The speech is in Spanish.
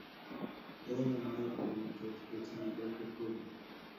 Era llamado por muchos "El senador del pueblo".